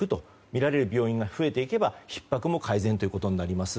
診られる病院が増えていけばひっ迫も改善となります。